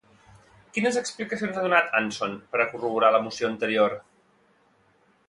Quines explicacions ha donat Anson per a corroborar la moció anterior?